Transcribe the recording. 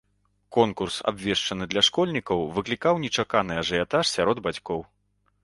Конкурс, абвешчаны для школьнікаў, выклікаў нечаканы ажыятаж сярод бацькоў.